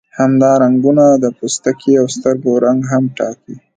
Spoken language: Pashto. همدا رنګونه د پوستکي او سترګو رنګ هم ټاکي.